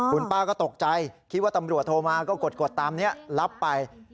คุณป้าก็ตกใจคิดว่าตำรวจโทรมาก็กดตามนี้รับไป